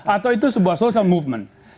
atau itu sebuah social movement